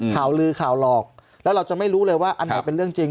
ข่าวลือข่าวหลอกแล้วเราจะไม่รู้เลยว่าอันไหนเป็นเรื่องจริง